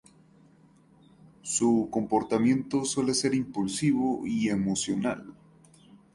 Su comportamiento suele ser impulsivo y emocional.